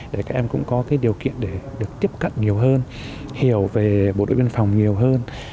để các em cũng có điều kiện để được tiếp cận nhiều hơn hiểu về bộ đội biên phòng nhiều hơn